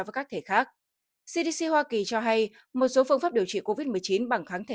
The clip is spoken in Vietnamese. và các thể khác cdc hoa kỳ cho hay một số phương pháp điều trị covid một mươi chín bằng kháng thể